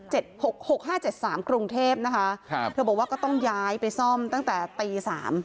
หกหกห้าเจ็ดสามกรุงเทพนะคะครับเธอบอกว่าก็ต้องย้ายไปซ่อมตั้งแต่ตีสาม